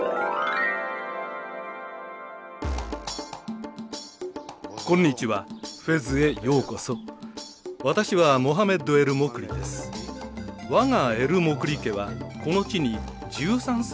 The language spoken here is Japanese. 我がエル・モクリ家はこの地に１３世紀から続く旧家です。